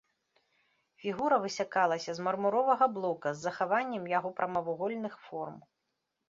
Фігура высякалася з мармуровага блока з захаваннем яго прамавугольных форм.